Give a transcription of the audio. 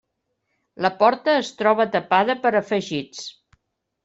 La porta es troba tapada per afegits.